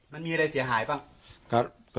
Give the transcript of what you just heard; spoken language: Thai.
มันมีอะไรเสียหายบ้าง